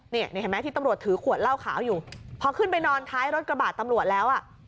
นี่เห็นไหมที่ตำรวจถือขวดเหล้าขาวอยู่พอขึ้นไปนอนท้ายรถกระบาดตำรวจแล้วอ่ะ